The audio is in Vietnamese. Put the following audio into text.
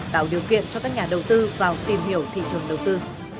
tạo điều kiện cho các nhà đầu tư vào tìm hiểu thị trường đầu tư